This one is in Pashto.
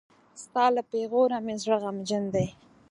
ستا له پېغوره مې زړه غمجن دی.